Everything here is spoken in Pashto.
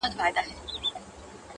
تا خو کړئ زموږ د مړو سپکاوی دی،